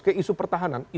ke isu pertahanan